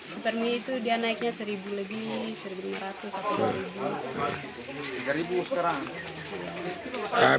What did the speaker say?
superme itu dia naiknya seribu lebih seribu ratus satu liter